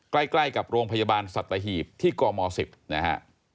ใกล้กับโรงพยาบาลสัตหีบที่กม๑๐นะฮะ